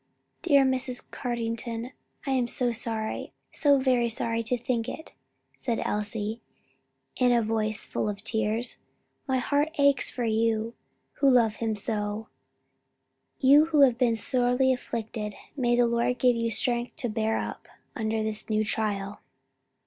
"Dear Mrs. Carrington, I am so sorry, so very sorry to think it," Elsie said, in a voice full of tears, "my heart aches for you who love him so; you who have been so sorely afflicted: may the Lord give you strength to bear up under this new trial."